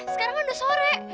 sekarang kan udah sore